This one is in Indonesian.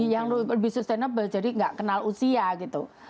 yang lebih sustainable jadi nggak kenal usia gitu